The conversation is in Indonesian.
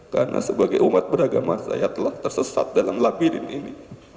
karena sebagai umat beragama saya telah tersesat dalam labirin ini